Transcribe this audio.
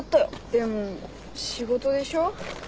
でも仕事でしょ？